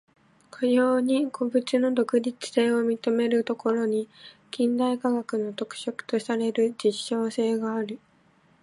かように個物の独立性を認めるところに、近代科学の特色とされる実証性がある。